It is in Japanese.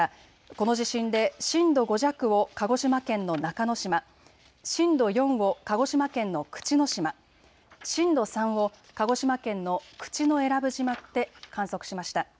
この地震で震度５弱を鹿児島県の中之島、震度４を鹿児島県の口之島、震度３を鹿児島県の口永良部島で観測しました。